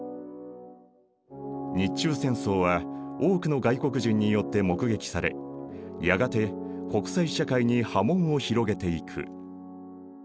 日中戦争は多くの外国人によって目撃されやがて国際社会に波紋を広げていく。